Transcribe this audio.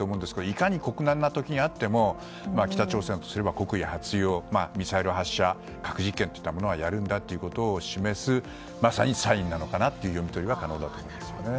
いかに国難の時にあっても北朝鮮とすれば、国威発揚ミサイル発射核実験といったものはやるんだということを示すまさにサインなのかなという読み取りは可能だと思いますね。